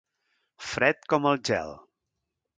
Fred com el gel.